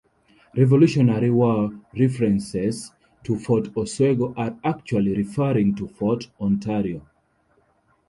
Revolutionary War references to Fort Oswego are actually referring to Fort Ontario.